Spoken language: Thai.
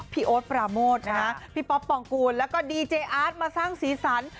โอ๊ตปราโมทนะฮะพี่ป๊อปปองกูลแล้วก็ดีเจอาร์ดมาสร้างสีสัน